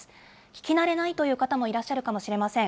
聞き慣れないという方もいらっしゃるかもしれません。